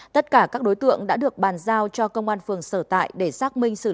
tất cả các đối tượng đã được bàn giao cho công an phường sở tại để xác minh